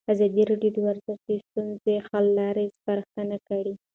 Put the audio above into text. ازادي راډیو د ورزش د ستونزو حل لارې سپارښتنې کړي.